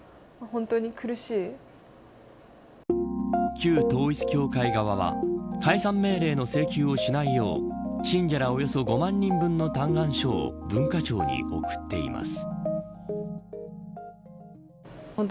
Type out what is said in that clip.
旧統一教会側は解散命令の請求をしないよう信者らおよそ５万人分の嘆願書を文化庁に送っています。